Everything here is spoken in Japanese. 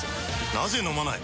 なぜ飲まない？